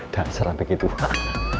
dasar sampe gitu pak